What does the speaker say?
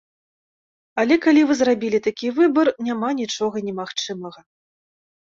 Але калі вы зрабілі такі выбар, няма нічога немагчымага.